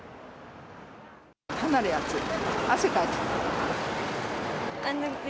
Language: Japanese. かなり暑い。